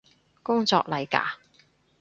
工作嚟嘎？